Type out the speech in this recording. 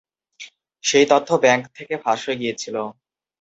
সেই তথ্য ব্যাংক থেকে ফাঁস হয়ে গিয়েছিল।